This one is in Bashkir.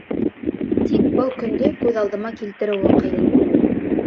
Тик был көндө күҙ алдыма килтереүе ҡыйын.